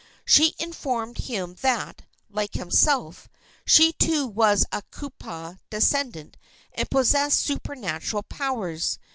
She informed him that, like himself, she too was of kupua descent and possessed supernatural powers.